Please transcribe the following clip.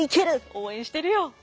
応援してるよ。